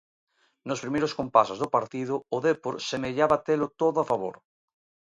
Nos primeiros compases do partido, o Depor semellaba telo todo a favor.